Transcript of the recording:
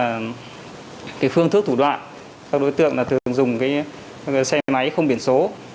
các đối tượng có phương thức thủ đoạn các đối tượng thường dùng xe máy không biển số